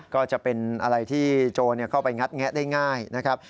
ก็จะเป็นอะไรที่โจรเข้าไปงัดแงะได้ง่ายนะครับ